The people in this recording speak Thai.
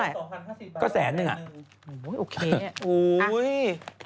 โอเคอ่ะ